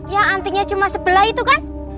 yang antingnya cuma sebelah itu kan